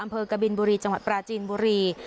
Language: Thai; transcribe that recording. อำเภอกะบิลบุรีจังหวัดปราจีนบุรี